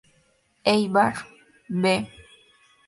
Eibar "B".